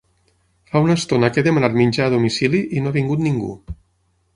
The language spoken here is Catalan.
Fa una estona que he demanat menjar a domicili i no ha vingut ningú.